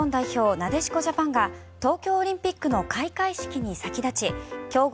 なでしこジャパンが東京オリンピックの開会式に先立ち強豪